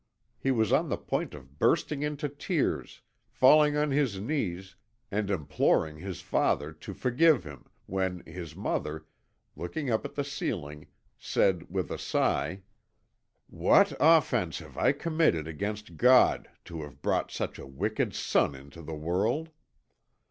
He was on the point of bursting into tears, falling on his knees, and imploring his father to forgive him, when his mother, looking up at the ceiling, said with a sigh: "What offence can I have committed against God, to have brought such a wicked son into the world?"